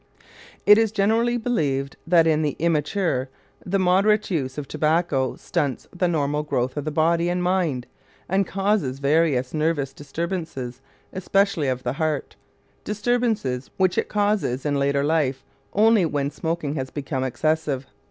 It is generally believed that in the immature the moderate use of tobacco stunts the normal growth of the body and mind, and causes various nervous disturbances, especially of the heart disturbances which it causes in later life only when smoking has become excessive.